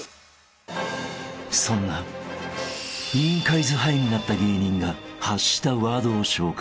［そんな委員会’ｓハイになった芸人が発したワードを紹介］